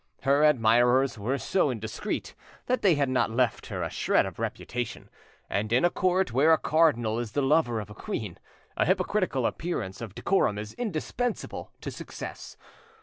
Her admirers were so indiscreet that they had not left her a shred of reputation, and in a court where a cardinal is the lover of a queen, a hypocritical appearance of decorum is indispensable to success.